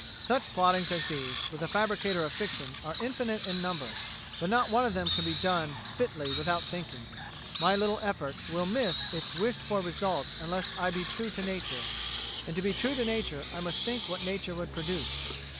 Such plottings as these with a fabricator of fiction are infinite in number, but not one of them can be done fitly without thinking. My little effort will miss its wished for result unless I be true to nature; and to be true to nature, I must think what nature would produce.